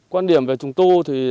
quan điểm về trùng tu